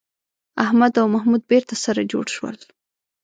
احمد او محمود بېرته سره جوړ شول